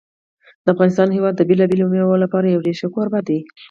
د افغانستان هېواد د بېلابېلو مېوو لپاره یو ډېر ښه کوربه دی.